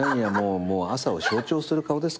朝を象徴する顔ですからね